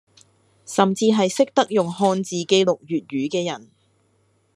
甚至係識得用漢字記錄粵語嘅人